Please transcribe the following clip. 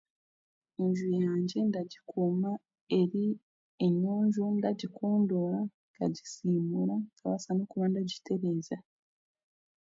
Enju yangye ndagikuuma eri enyonjo ndagikondoora nkagisiimuura nkabaasa n'okuba ndagitereeza